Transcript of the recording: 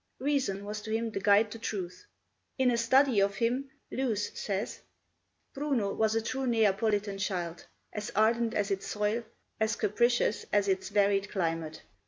Reason was to him the guide to truth. In a study of him Lewes says: "Bruno was a true Neapolitan child as ardent as its soil ... as capricious as its varied climate.